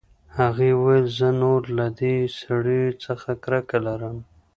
هغې وویل زه نور له دې سړیو څخه کرکه لرم